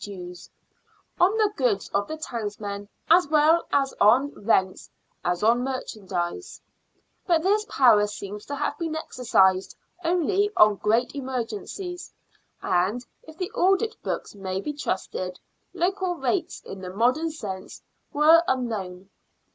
levy dues " on the goods of the townsmen, as well on rents as on merchandise "; but this power seems to have been exercised only on great emergencies, and, if the audit books may be trusted, local rates in the modern sense were un known.